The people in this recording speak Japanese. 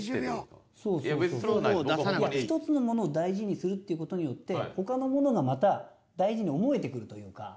１つのものを大事にするっていう事によって他のものがまた大事に思えてくるというか。